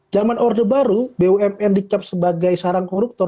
zaman orde baru bumn dicap sebagai sarang koruptor